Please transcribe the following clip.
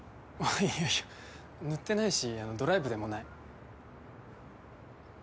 いやいや塗ってないしドライブでもない。